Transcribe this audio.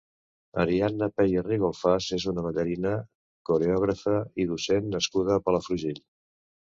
Ariadna Peya Rigolfas és una ballarina, coreògrafa i docent nascuda a Palafrugell.